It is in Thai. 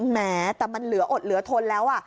แม้แต่มันเหลืออดเหลือทนแล้ว